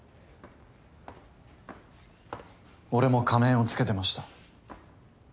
俺も仮面をつけてました。